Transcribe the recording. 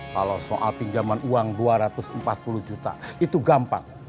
kalau soal pinjaman uang dua ratus empat puluh juta itu gampang